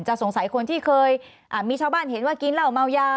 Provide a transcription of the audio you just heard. สงสัยคนที่เคยมีชาวบ้านเห็นว่ากินเหล้าเมายา